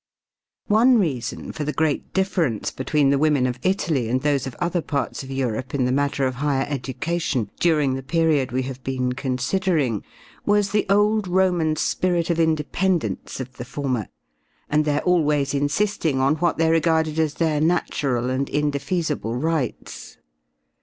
One reason for the great difference between the women of Italy and those of other parts of Europe in the matter of higher education during the period we have been considering was the old Roman spirit of independence of the former and their always insisting on what they regarded as their natural and indefeasible rights.